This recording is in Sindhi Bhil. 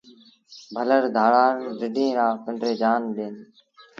ڀلڙ ڌرآڙ رڍينٚ لآ پنڊريٚ جآن ڏي دو۔